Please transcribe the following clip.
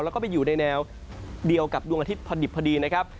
แล้วก็ไปอยู่ในแนวเดียวกับดวงอาทิตย์พอดิบพอดีนะครับ